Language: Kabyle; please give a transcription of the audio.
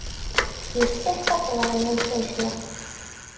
Yessefk ad teẓrem imsujji.